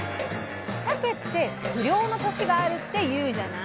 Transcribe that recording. さけって不漁の年があるって言うじゃない。